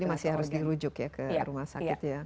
jadi masih harus dirujuk ya ke rumah sakit ya